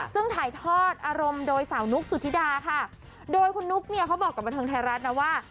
ซึ่งถ่ายทอดอารมณ์โดยสาวนุ๊กสุธิดาค่ะโดยคุณนุ๊กเนี่ยเขาบอกกับบันเทิงไทยรัฐนะว่า